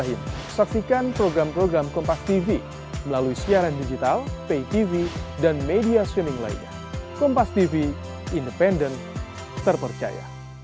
itu aku momennya teman teman